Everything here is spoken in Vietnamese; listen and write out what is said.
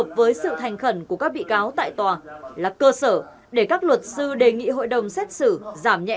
rồi sau đó là tôi xin tiền imut một trăm năm mươi đô